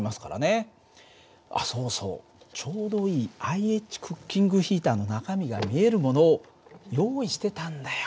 あっそうそうちょうどいいＩＨクッキングヒーターの中身が見えるものを用意してたんだよ。